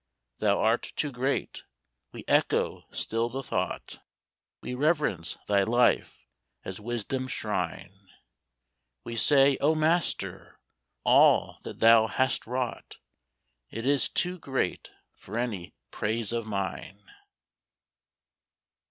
Thou art too great — we echo still the thought ; We reverence thy life as Wisdom's shrine. We say, O Master ! all that thou hast wrought, " It is too great for any praise of mine."